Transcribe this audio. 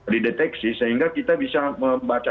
dideteksi sehingga kita bisa membaca